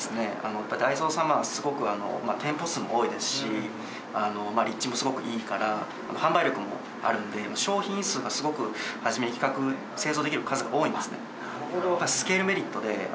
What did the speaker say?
やっぱりダイソー様はすごく店舗数も多いですし立地もすごくいいから販売力もあるので商品数がすごく初めに製造できる数が多いんですね。